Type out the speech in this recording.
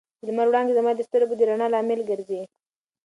د لمر وړانګې زما د سترګو د رڼا لامل ګرځي.